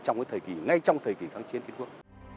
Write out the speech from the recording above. ngay trong thời kỳ kháng chiến việt quốc